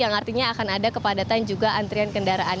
yang artinya akan ada kepadatan juga antrian kendaraan